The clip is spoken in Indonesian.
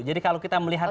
jadi kalau kita melihat